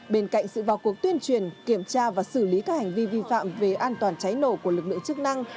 bên cạnh sự vào cuộc tuyên truyền kiểm tra và xử lý các hành vi vi phạm về an toàn cháy nổ của lực lượng chức năng